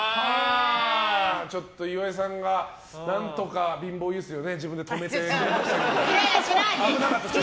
ちょっと岩井さんが何とか貧乏ゆすりを自分で止めてましたけど。